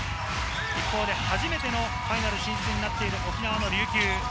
一方で初めてのファイナル進出になっている沖縄の琉球。